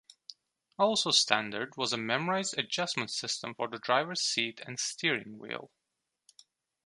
Also standard was a memorized adjustment system for the driver's seat and steering wheel.